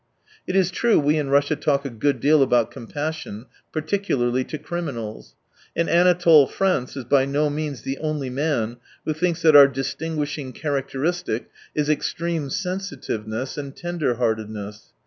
It is true we in Russia talk a good deal about compassion, particu larly to criminals, and Anatole France is by no means the only man who thinks that our distinguishing characteristic is extreme sensitiveness and tender heartedness.